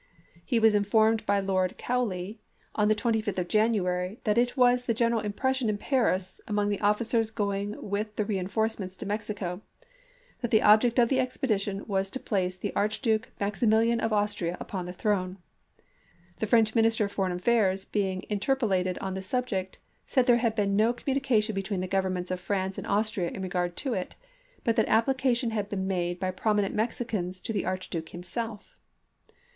He was informed by 1852. Lord Cowley, on the 25th of January, that it was the general impression in Paris, among the officers going with the reenforcements to Mexico, that the object of the expedition was to place the Archduke Maximilian of Austria upon the throne. The French Minister of Foreign Affairs being interpel lated on the subject said there had been no com munication between the governments of France and Austria in regard to it, but that application had been made by prominent Mexicans to the Archduke himself.